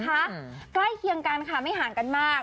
ใกล้เคียงกันค่ะไม่ห่างกันมาก